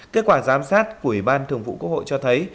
kết quả giám sát của ủy ban thường vụ quốc hội cho thấy